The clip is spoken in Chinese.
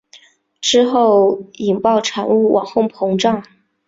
之后引爆产物往后膨胀。